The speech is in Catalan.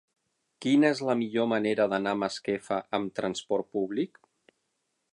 Quina és la millor manera d'anar a Masquefa amb trasport públic?